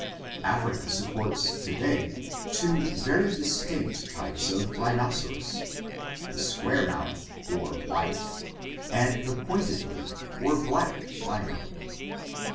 Africa supports to day two very distinct types of rhinoceros — the square mouth or white and the pointed lip or black rhino (see Fig.